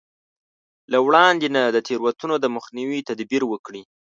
له وړاندې نه د تېروتنو د مخنيوي تدبير وکړي.